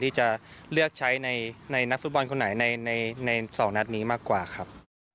ที่จะเลือกใช้ในนักฟุตบอลคนไหนใน๒นัดนี้มากกว่าครับ